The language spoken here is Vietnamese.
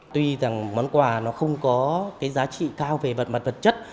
tuy rằng món quà nó không có cái giá trị cao về vật mặt vật chất